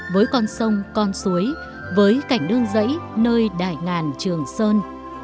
với con sông con suối với cảnh đường dẫy nơi đại ngàn trường sơn